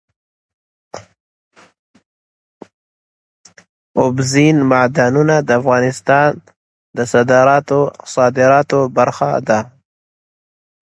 اوبزین معدنونه د افغانستان د صادراتو برخه ده.